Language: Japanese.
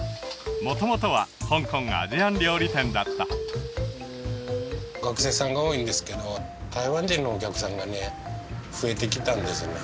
元々は香港アジアン料理店だった学生さんが多いんですけど台湾人のお客さんがね増えてきたんですね